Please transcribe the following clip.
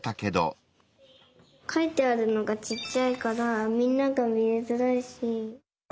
かいてあるのがちっちゃいからみんながみえづらいし。